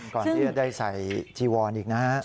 ก่อนที่จะได้ใส่จีวอนอีกนะฮะ